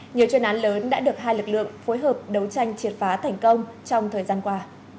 nhiều chuyên án lớn đã được hai lực lượng phối hợp đấu tranh triệt phá thành công trong thời gian qua